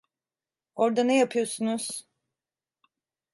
Orada ne yapıyorsunuz?